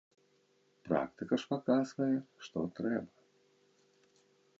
Практыка ж паказвае, што трэба.